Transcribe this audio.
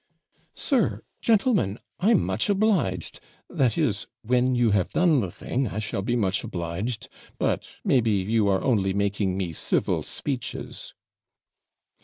'Sir gentlemen! I'm much obliged; that is, when you have done the thing I shall be much obliged. But, maybe, you are only making me civil speeches!'